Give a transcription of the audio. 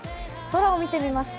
空を見てみます